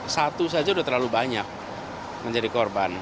satu saja sudah terlalu banyak menjadi korban